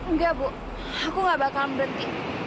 nggak bu aku nggak bakal berhenti